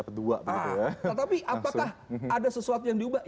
tetapi apakah ada sesuatu yang diubah